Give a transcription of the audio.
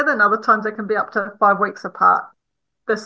dan lain lain mereka bisa berada di sekitar lima minggu